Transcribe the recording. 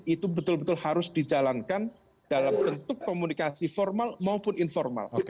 itu betul betul harus dijalankan dalam bentuk komunikasi formal maupun informal